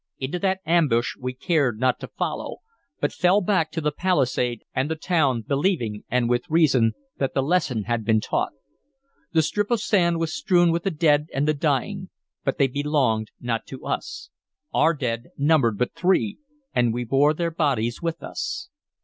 Into that ambush we cared not to follow, but fell back to the palisade and the town, believing, and with reason, that the lesson had been taught. The strip of sand was strewn with the dead and the dying, but they belonged not to us. Our dead numbered but three, and we bore their bodies with us.